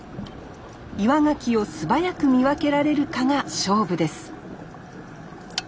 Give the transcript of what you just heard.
岩ガキを素早く見分けられるかが勝負です